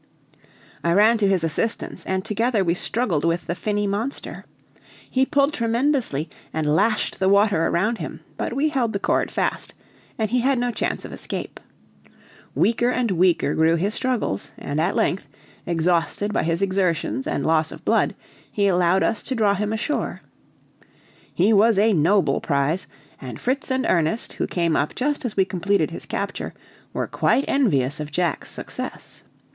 I ran to his assistance, and together we struggled with the finny monster. He pulled tremendously, and lashed the water around him; but we held the cord fast, and he had no chance of escape. Weaker and weaker grew his struggles, and, at length, exhausted by his exertions and loss of blood, he allowed us to draw him ashore. He was a noble prize, and Fritz and Ernest, who came up just as we completed his capture, were quite envious of Jack's success.